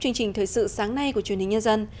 chương trình thời sự sáng nay của truyền hình nhân dân